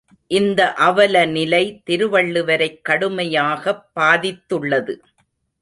இந்த அவல நிலை திருவள்ளுவரைக் கடுமையாகப் பாதித்துள்ளது.